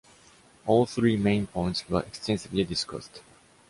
All three main points were extensively discussed.